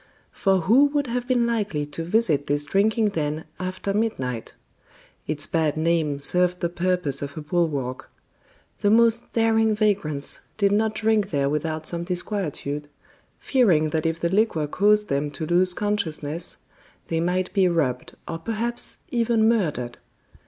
For who would have been likely to visit this drinking den after midnight? Its bad name served the purpose of a bulwark. The most daring vagrants did not drink there without some disquietude, fearing that if the liquor caused them to lose consciousness, they might be robbed or perhaps even murdered.